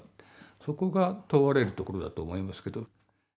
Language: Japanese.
そこが問われるところだと思いますけど。